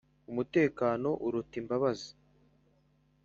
umutekano uruta imbabazi